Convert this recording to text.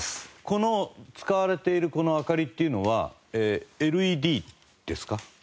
この使われているこの明かりっていうのはＬＥＤですか？